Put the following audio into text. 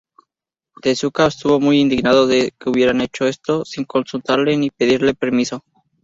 Tezuka estuvo muy indignado de que hubieran hecho esto sin consultarle ni pedirle permiso.